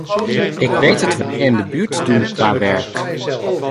Ik weet het wel, meer in de buurt doen qua werk.